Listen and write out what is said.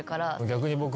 逆に僕。